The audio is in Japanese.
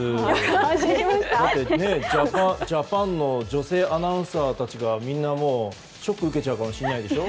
ジャパンの女性アナウンサーたちがみんなショックを受けちゃうかもしれないでしょう。